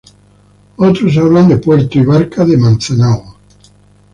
Otros hablan de puerto y barca de Manzanal.